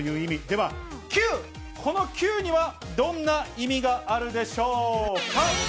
ではＱ、このＱにはどんな意味があるでしょうか。